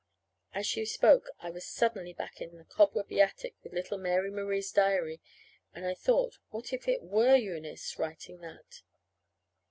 (As she spoke I was suddenly back in the cobwebby attic with little Mary Marie's diary, and I thought what if it were Eunice writing that!)